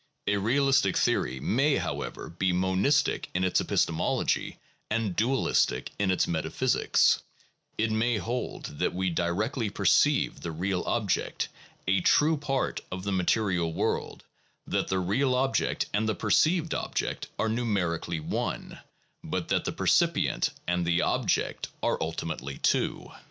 A realistic theory may, however, be monistic in its epistemology and dualistic in its metaphysics: it may hold that we directly perceive the real object, a true part of the material world, that the real object and the perceived object are numerically one, but that the percipient and the object are ultimately two.